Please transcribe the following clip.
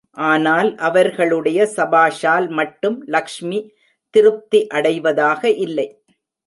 ஆனால் அவர்களுடைய சபாஷால் மட்டும் லக்ஷ்மி திருப்தி அடைவதாக இல்லை.